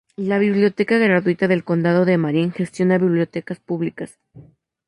La Biblioteca Gratuita del Condado de Marin gestiona bibliotecas públicas.